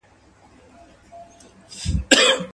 بیا را ژوندي کړو د بابا لښکري.